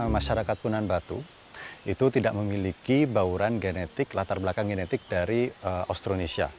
masyarakat punan batu itu tidak memiliki bauran genetik latar belakang genetik dari austronesia